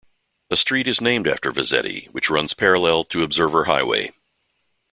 A street is named after Vezzetti, which runs parallel to Observer Highway.